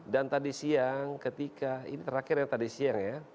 dan tadi siang ketika ini terakhir yang tadi siang ya